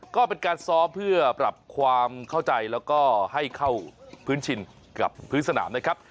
ก็เป็นการซ้อมเพื่อปรับความเข้าใจแล้วก็ให้เข้าพื้นชินกับพื้นสนามนะครับ